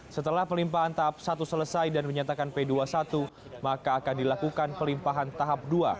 setelah pelimpahan tahap satu selesai dan menyatakan p dua puluh satu maka akan dilakukan pelimpahan tahap dua